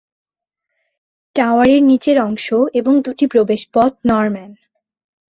টাওয়ারের নিচের অংশ এবং দুটি প্রবেশপথ নরম্যান।